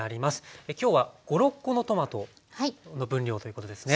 今日は５６コのトマトの分量ということですね。